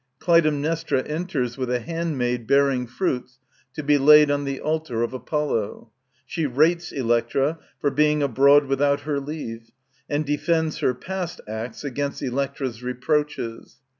Clytemnestra enters with a handmaid bearing fruits to be laid on the altar of Apollo. She rates Electra for being abroad without her leave, and defends her past acts against _Electra's reproaches.